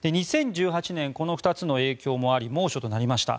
２０１８年この２つの影響もあり猛暑となりました。